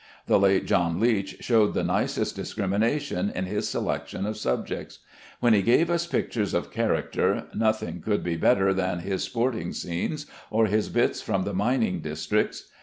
The late John Leech showed the nicest discrimination in his selection of subjects. When he gave us pictures of character, nothing could be better than his sporting scenes, or his bits from the mining districts.